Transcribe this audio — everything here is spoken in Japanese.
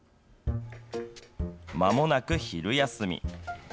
まもなく昼休み。